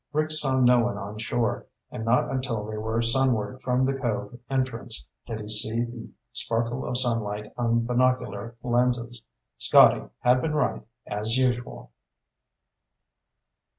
Rick saw no one on shore, and not until they were sunward from the cove entrance did he see the sparkle of sunlight on binocular lenses. Scotty had been right, as usual.